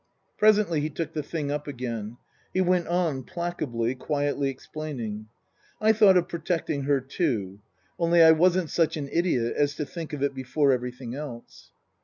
Presently he took the thing up again. He went on, placably, quietly explaining. " I thought of protecting her too. Only I wasn't such an idiot as to think of it before everything else."